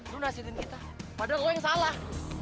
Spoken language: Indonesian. lo udah asyikin kita padahal lo yang salah